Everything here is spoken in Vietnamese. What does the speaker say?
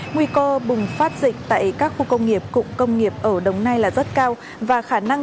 nguy cơ bùng phát dịch tại các khu công nghiệp cụm công nghiệp ở đồng nai là rất cao và khả năng